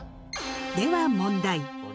では問題。